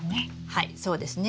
はいそうですね。